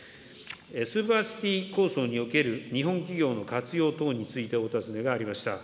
スーパーシティ構想における日本企業の活用等についてお尋ねがありました。